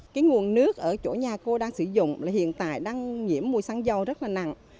cái nguồn nước ở chỗ nhà cô đang sử dụng là hiện tại đang nhiễm mùi xăng dầu rất là nặng